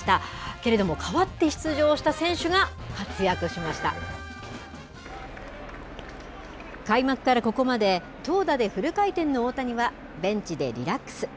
けれども代わって出場した選手が開幕からここまで投打でフル回転の大谷はベンチでリラックス。